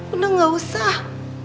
udah gak usah